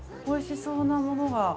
おいしそうなものが。